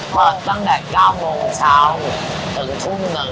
พอตั้งแต่๙โมงเช้าถึงทุ่มหนึ่ง